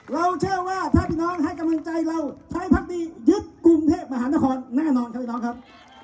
เราเชื่อว่าถ้าพี่น้องให้กำลังใจเราใช้พักดียึดกรุงเทพมหานครแน่นอนครับพี่น้องครับ